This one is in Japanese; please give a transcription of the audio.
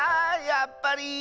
やっぱり。